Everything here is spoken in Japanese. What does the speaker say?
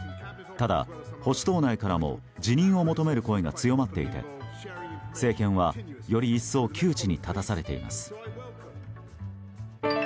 ただ、保守党内からも辞任を求める声が強まっていて政権は、より一層窮地に立たされています。